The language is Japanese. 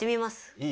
いい？